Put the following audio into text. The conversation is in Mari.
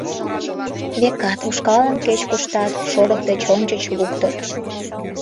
Векат, ушкалым кеч-куштат шорык деч ончыч луктыт.